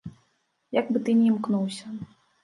Як бы ты ні імкнуўся.